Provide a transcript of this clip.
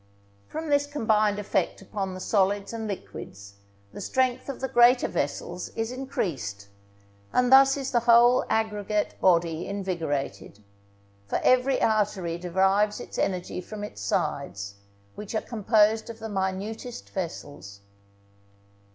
From this combined effect upon the solids and liquids, the strength of the greater vessels is increased, and thus is the whole aggregate body invigorated; for every artery derives its energy from its sides, which are composed of the minutest vessels.